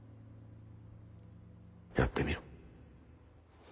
やってみろ。